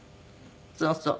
そうそう。